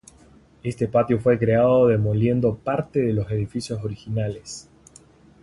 Este patio fue creado demoliendo parte de los edificios originales.